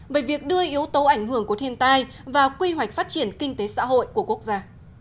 về việc đưa yếu tố ảnh hưởng của thiên tai vào quy hoạch phát triển kinh tế xã hội của quốc gia